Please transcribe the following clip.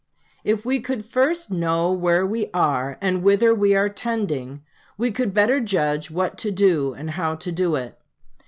"If we could first know where we are and whither we are tending, we could better judge what to do and how to do it.